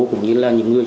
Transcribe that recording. cũng như là những người